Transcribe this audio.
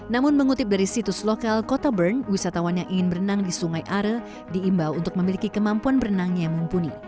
namun mengutip dari situs lokal kota bern wisatawan yang ingin berenang di sungai are diimbau untuk memiliki kemampuan berenangnya yang mumpuni